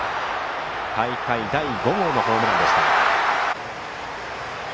大会第５号のホームランでした。